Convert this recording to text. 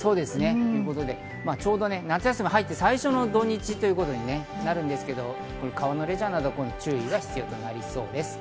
夏休みに入って最初の土日ということになるんですが、川のレジャーなど注意が必要になりそうです。